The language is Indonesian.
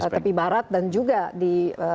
tepi barat dan juga di